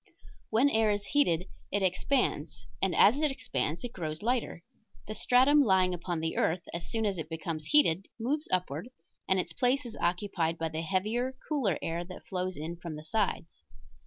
When air is heated it expands, and as it expands it grows lighter. The stratum lying upon the earth as soon as it becomes heated moves upward and its place is occupied by the heavier, cooler air that flows in from the sides.